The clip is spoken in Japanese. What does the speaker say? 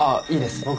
いいです。